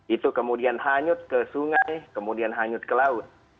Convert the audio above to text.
itu kemudian hanyut ke sungai kemudian hanyut ke laut